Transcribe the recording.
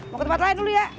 mau ke tempat lain dulu ya